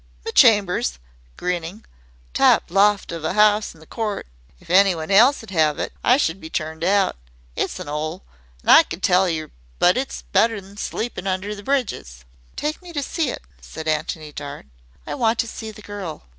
"Me chambers," grinning; "top loft of a 'ouse in the court. If anyone else 'd 'ave it I should be turned out. It's an 'ole, I can tell yer but it's better than sleepin' under the bridges." "Take me to see it," said Antony Dart. "I want to see the girl."